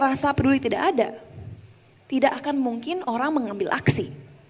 rasa peduli tidak ada tidak akan mungkin orang mengambil aksi